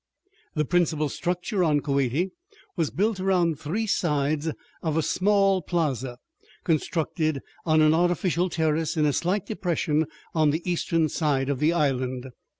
The principal structure on Koati was built around three sides of a small plaza, constructed on an artificial terrace in a slight depression on the eastern side of the island.